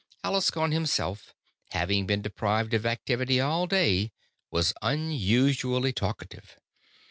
Alaskon himself, having been deprived of activity all day, was unusually talkative.